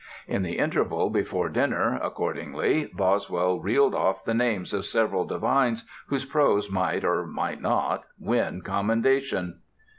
In the interval before dinner, accordingly, Boswell reeled off the names of several divines whose prose might or might not win commendation.